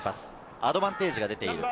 アドバンテージが出ている。